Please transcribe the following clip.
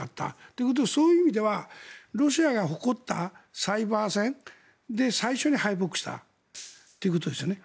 ということは、そういう意味ではロシアが誇ったサイバー戦で最初に敗北したということですよね。